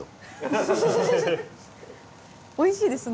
おいしいですね。